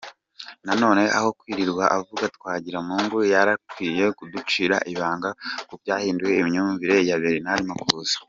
None aho kwirirwa avuga Twagiramungu yarakwiye kuducira ibanga kubyahinduye imyumvirire ya Bernard Makuza .